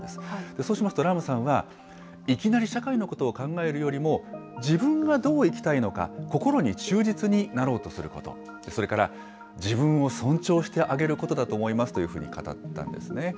そうしますとラムさんは、いきなり社会のことを考えるよりも、自分がどう生きたいのか、心に忠実になろうとすること、それから自分を尊重してあげることだと思いますというふうに語ったんですね。